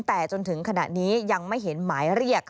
แต่จนถึงขณะนี้ยังไม่เห็นหมายเรียก